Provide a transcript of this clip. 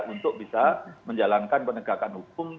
untuk bisa menjalankan penegakan hukum